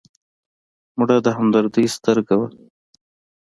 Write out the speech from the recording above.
مړه د همدردۍ سترګه وه